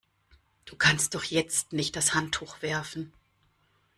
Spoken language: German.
Du kannst doch jetzt nicht das Handtuch werfen!